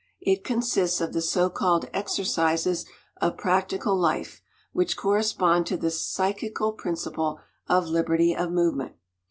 It consists of the so called exercises of practical life which correspond to the psychical principle of "liberty of movement."